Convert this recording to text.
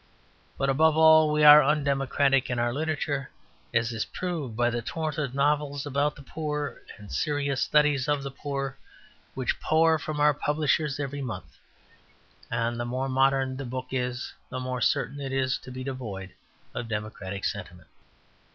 But above all we are undemocratic in our literature, as is proved by the torrent of novels about the poor and serious studies of the poor which pour from our publishers every month. And the more "modern" the book is the more certain it is to be devoid of democratic sentiment.